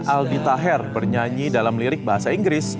aldi taher bernyanyi dalam lirik bahasa inggris